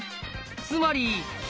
つまり。